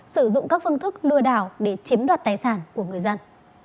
sử dụng các phương thức lừa đảo để chiếm đoạt tài sản của người dân